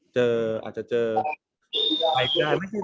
อาจจะเจอใครก็ได้